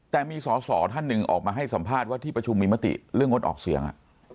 แต่มีสอสอท่านหนึ่งออกมาให้สัมภาษณ์ว่าที่ประชุมมีมติเรื่องงดออกเสียง